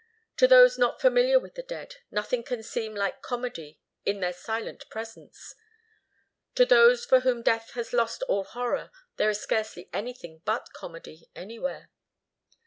To those not familiar with the dead, nothing can seem like comedy in their silent presence. To those for whom death has lost all horror, there is scarcely anything but comedy, anywhere.